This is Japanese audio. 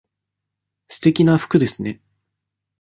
すてきな服ですね。